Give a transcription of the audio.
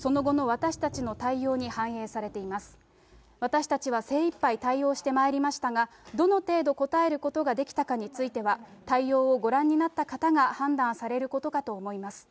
私たちは精いっぱい対応してまいりましたが、どの程度答えることができたかについては、対応をご覧になった方が判断されることかと思います。